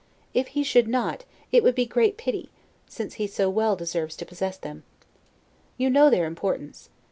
If he should not, it would be great pity, since he so well deserves to possess them. You know their importance.